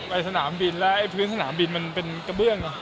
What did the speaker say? สนามบินแล้วไอ้พื้นสนามบินมันเป็นกระเบื้อง